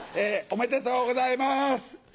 おめでとうございます！